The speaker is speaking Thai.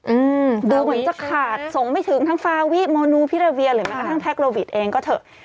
อืมดูเหมือนจะขาดส่งไม่ถึงทั้งฟาวิโมนูพิราเวียหรือแม้กระทั่งแพ็คโลวิทเองก็เถอะ